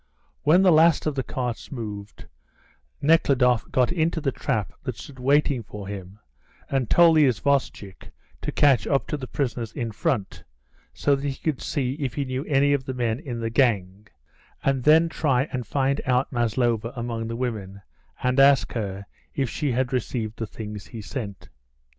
When the last of the carts moved, Nekhludoff got into the trap that stood waiting for him and told the isvostchik to catch up the prisoners in front, so that he could see if he knew any of the men in the gang, and then try and find out Maslova among the women and ask her if she had received the things he sent.